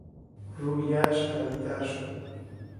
روحیهاش قویتر شد.